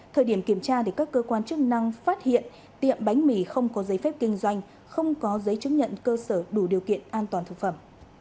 thời điểm kiểm tra các cơ quan chức năng phát hiện tiệm bánh mì không có giấy phép kinh doanh không có giấy chứng nhận cơ sở đủ điều kiện an toàn thực phẩm